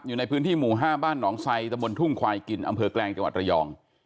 อยู่ในพื้นที่หมู่๕บ้านหนองไซตะบนทุ่งควายกินอำเภอแกลงจังหวัดระยอง